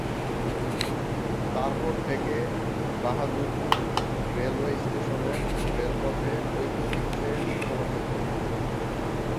তারপর থেকে বাহাদুরপুর রেলওয়ে স্টেশনের রেলপথে বৈদ্যুতীক ট্রেন চলাচল করে।